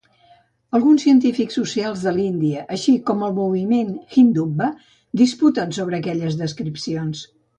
Alguns científics socials de l'Índia, així com el moviment Hindutva, disputen sobre aquelles descripcions.